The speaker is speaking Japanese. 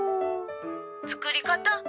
☎作り方？